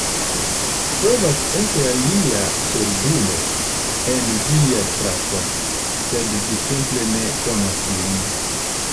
Povas esti alia surdulo en via strato, sed vi simple ne konas tiun.